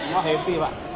semua happy pak